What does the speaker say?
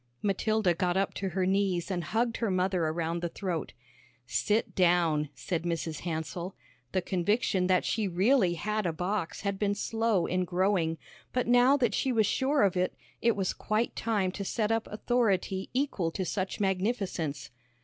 Matilda got up to her knees and hugged her mother around the throat. "Sit down," said Mrs. Hansell. The conviction that she really had a box had been slow in growing, but now that she was sure of it, it was quite time to set up authority equal to such magnificence.